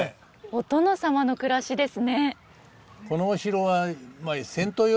お殿様の暮らしですね。